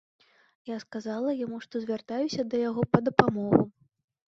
Я сказала яму, што звяртаюся да яго па дапамогу.